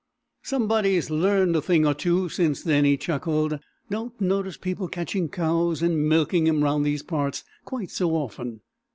"Somebody's learned a thing or two since then," he chuckled: "don't notice people catching cows and milking 'em round these parts quite so often."